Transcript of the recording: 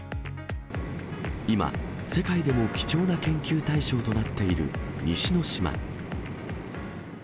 今、世界でも貴重な研究対象となっている西之島。